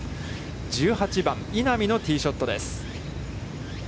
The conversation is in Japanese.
１８番、稲見のティーショットです。